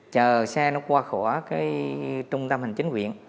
chờ xe nó qua khỏi trung tâm hành chính viện